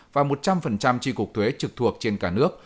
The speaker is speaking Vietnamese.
và một trăm linh tri cuộc thuế trực thuộc trên cả nước